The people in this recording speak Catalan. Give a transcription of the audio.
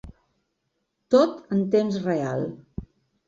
Tot en temps real.